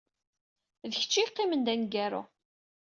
D kečč ay yeqqimen d aneggaru.